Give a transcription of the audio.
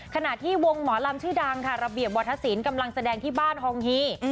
ขณะที่วงหมอลำชื่อดังค่ะระเบียบวัฒนศิลป์กำลังแสดงที่บ้านฮองฮี